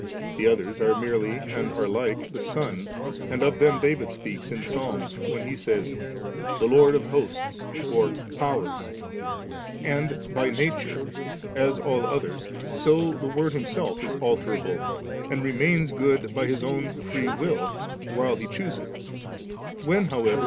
* The others are many and are like the Son, and of them David speaks in the Psalms, when he says, * The Lord of hosts ' or * powers 3,' And by nature, as all others, so the Word Himself is alterable, and remains good by Hb own free will, while He chooseth ; when, however.